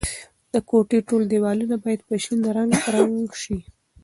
د کوټې ټول دیوالونه باید په شین رنګ رنګ شي.